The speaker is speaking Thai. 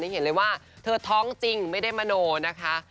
เห็นเลยว่าเธอท้องจริงไม่ได้มโนนะคะ